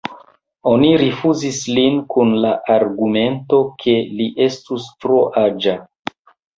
Oni rifuzis lin kun la argumento, ke li estus tro aĝa.